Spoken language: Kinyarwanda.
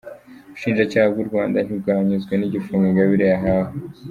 Ubushinjacyaha bw’u Rwanda ntibwanyuzwe n’igifungo Ingabire yahawe